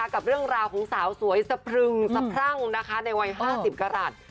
กับเรื่องราวของสาวสวยสะพรึงสะพรั่งนะคะในวัย๕๐กรัฐ